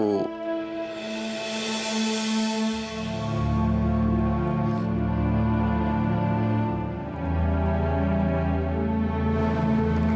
kamu jangan nangis ya